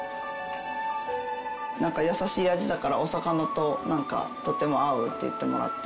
なんか優しい味だからお魚ととっても合うって言ってもらって。